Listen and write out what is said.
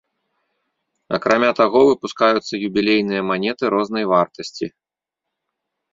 Акрамя таго, выпускаюцца юбілейныя манеты рознай вартасці.